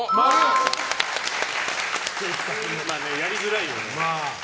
やりづらいよね。